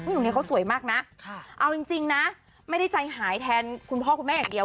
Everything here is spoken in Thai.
หนูเนี่ยเขาสวยมากนะเอาจริงนะไม่ได้ใจหายแทนคุณพ่อคุณแม่อย่างเดียว